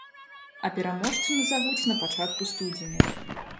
А пераможцу назавуць на пачатку студзеня.